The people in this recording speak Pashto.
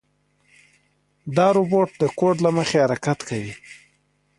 دا روبوټ د کوډ له مخې حرکت کوي.